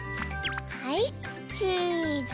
はいチーズ！